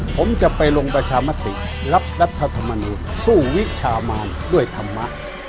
ผมจะไปลงประชามติรับรัฐธรรมนูลสู้วิชามานด้วยธรรมะ